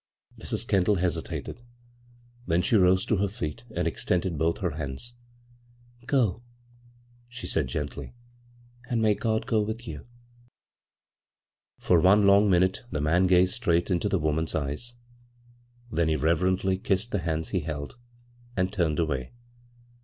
" Mrs. Kendall hesitated ; then she rose to her feet and extended both her hands. " Go," she said gently. " And may God go with you !" For one long minute the man gazed straight into the woman's eyes; then he reverendy kissed the hands he held, and turned away.